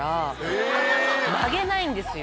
曲げないんですよ。